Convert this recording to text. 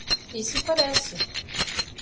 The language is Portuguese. Isso parece.